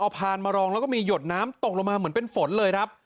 พานมารองแล้วก็มีหยดน้ำตกลงมาเหมือนเป็นฝนเลยครับ